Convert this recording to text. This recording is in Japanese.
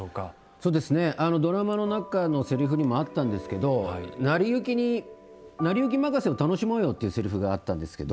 そうですねドラマの中のセリフにもあったんですけど成り行きに「成り行き任せを楽しもうよ」っていうセリフがあったんですけど。